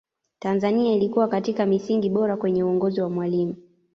tanzania ilikuwa katika misingi bora kwenye uongozi wa mwalimu